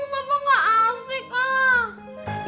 wah bapak gak asik lah